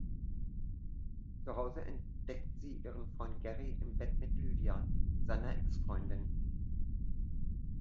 Zu Hause entdeckt sie ihren Freund Gerry im Bett mit Lydia, seiner Ex-Freundin.